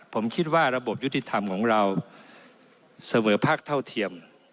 ผมคิดว่าระบบยุติธรรมของเราเสมอภาคเท่าเทียม